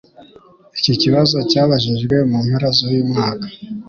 Iki kibazo cyabajijwe mu mpera zu yu umwaka